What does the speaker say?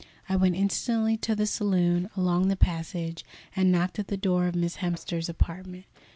I went instantly to the saloon, along the passage, and knocked at the door of Miss Hemster's apartment.